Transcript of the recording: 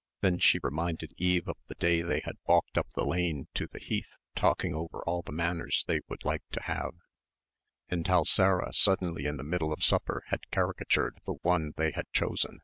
'" Then she reminded Eve of the day they had walked up the lane to the Heath talking over all the manners they would like to have and how Sarah suddenly in the middle of supper had caricatured the one they had chosen.